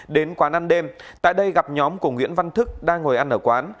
đến quán ăn đêm tại đây gặp nhóm của nguyễn văn thức đang ngồi ăn ở quán